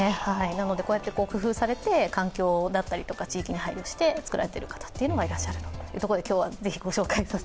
なのでこうやって工夫されて環境だったり地域に配慮して作られている方がいらっしゃるということで。